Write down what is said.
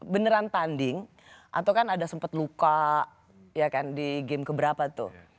beneran tanding atau kan ada sempat luka ya kan di game keberapa tuh